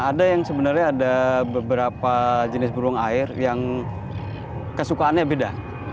ada yang sebenarnya ada beberapa jenis burung air yang kesukaannya beda